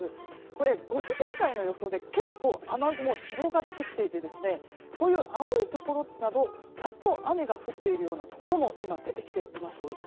これ、５時現在の予想で結構雨雲広がってきていて青いところなど、ザッと雨が降っているようなところも今、出てきています。